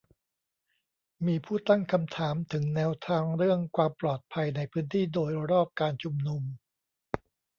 มีผู้ตั้งคำถามถึงแนวทางเรื่องความปลอดภัยในพื้นที่โดยรอบการชุมนุม